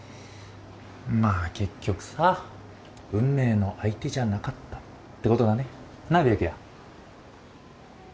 まあ結局さ運命の相手じゃなかったってことだねなぁ白夜。